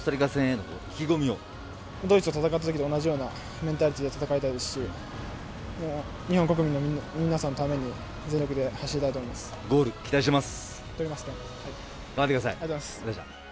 ドイツ戦ったときと同じようなメンタリティーで戦いたいですし日本国民の皆さんのために全力でゴール期待しています